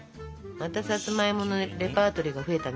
またさつまいものレパートリーが増えたね。